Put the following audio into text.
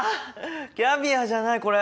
キャビアじゃないこれ。